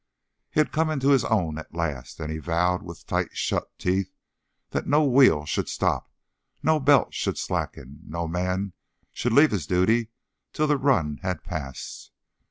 He had come into his own at last, and he vowed with tight shut teeth that no wheel should stop, no belt should slacken, no man should leave his duty till the run had passed.